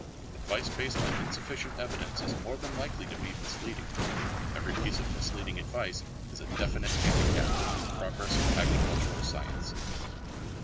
Advice based on insufficient evidence is more than likely to be misleading. Every piece of misleading advice is a definite handicap to the progress of agricultural science.